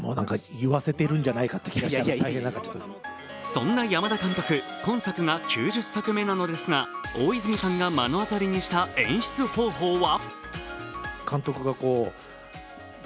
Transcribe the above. そんな山田監督、今作が９０作目なのですが大泉さんが目の当たりにした演出方法は？